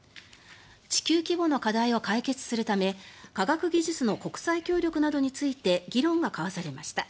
地球規模の課題を解決するため科学技術の国際協力などについて議論が交わされました。